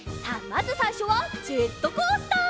まずさいしょはジェットコースター。